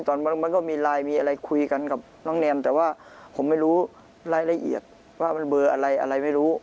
มันก็มีไลน์มีอะไรคุยกันกับน้องแนมแต่ว่าผมไม่รู้รายละเอียดว่ามันเบอร์อะไรอะไรไม่รู้